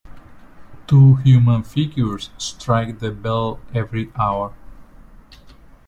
Two human figures strike the bell every hour.